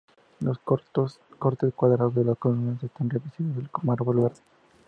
Los cortes cuadrados de las columnas estás revestidas de mármol verde.